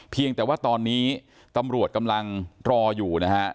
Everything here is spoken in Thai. เพียงแต่ว่าตอนนี้ตำรวจกำลังรออยู่นะฮะ